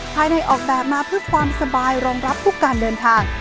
ออกแบบมาเพื่อความสบายรองรับทุกการเดินทาง